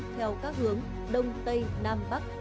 theo các hướng đông tây nam bắc